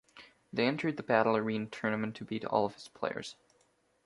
They entered the Battle Arena Tournament to beat all of its players.